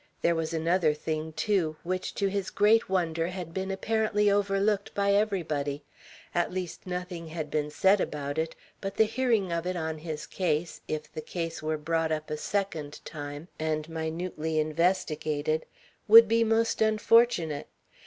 There was another thing, too, which to his great wonder had been apparently overlooked by everybody; at least, nothing had been said about it; but the bearing of it on his case, if the case were brought up a second time and minutely investigated, would be most unfortunate.